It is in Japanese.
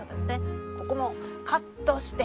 ここもカットして。